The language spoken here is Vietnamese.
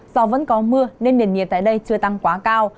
do vẫn có mưa nên nền nhiệt tại đây chưa tăng quá cao